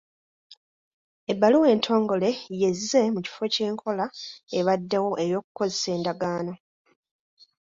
Ebbaluwa entongole y’ezze mu kifo ky’enkola ebaddewo ey'okukozesa endagaano.